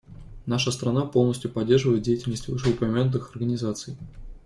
Наша страна полностью поддерживает деятельность вышеупомянутых организаций.